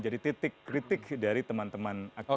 jadi titik kritik dari teman teman aktifis